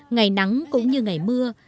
ngày nắng cũng như ngày mưa